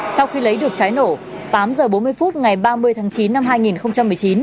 sau khi lấy được trái nổ tám h bốn mươi phút ngày ba mươi tháng chín năm hai nghìn một mươi chín